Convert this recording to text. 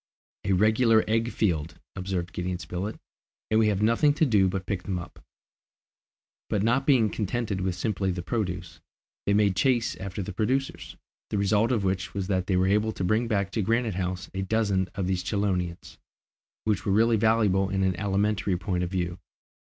"A regular egg field," observed Gideon Spilett, "and we have nothing to do but to pick them up." But not being contented with simply the produce, they made chase after the producers, the result of which was that they were able to bring back to Granite House a dozen of these chelonians, which were really valuable in an alimentary point of view.